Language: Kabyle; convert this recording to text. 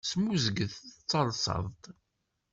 Smuzget d talseḍ-d.